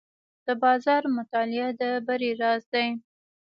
د بازار مطالعه د بری راز دی.